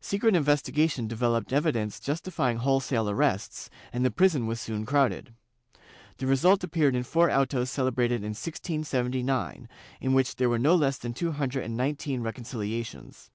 Secret inves tigation developed evidence justifjdng wholesale arrests, and the prison was soon crowded. The result appeared in four autos celebrated in 1679, in which there were no less than two hundred and nineteen reconcihations.